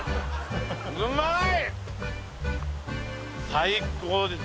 うまい！